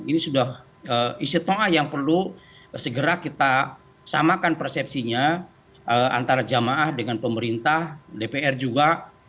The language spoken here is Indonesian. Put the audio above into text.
ini sudah isitoah ⁇ yang perlu segera kita samakan persepsinya antara jamaah dengan pemerintah dpr juga